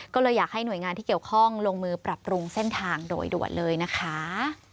ก็เลยอยากให้หน่วยงานที่เกี่ยวข้องลงมือปรับปรุงเส้นทางโดยด่วนเลยนะคะ